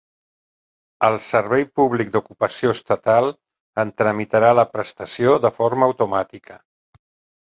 El Servei Públic d'Ocupació Estatal en tramitarà la prestació de forma automàtica.